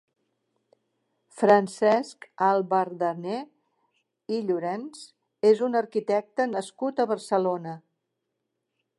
Francesc Albardaner i Llorens és un arquitecte nascut a Barcelona.